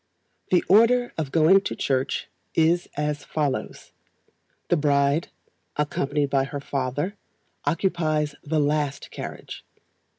The order of going to church is as follows: The BRIDE, accompanied by her father, occupies the last carriage.